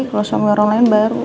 kalau sama orang lain baru